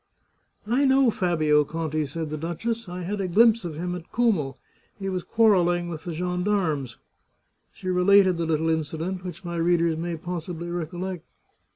" I know Fabio Conti," said the duchess. " I had a glimpse of him at Como ; he was quarrelling with the gen darmes." She related the little incident, which my readers may possibly recollect.